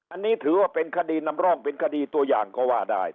อันนี้ถือว่าเป็นคดีนำร่องเป็นคดีตัวอย่างก็ว่าได้